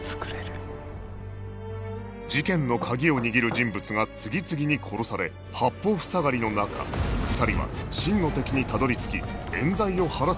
事件の鍵を握る人物が次々に殺され八方塞がりの中２人は真の敵にたどり着き冤罪を晴らす事ができるのか？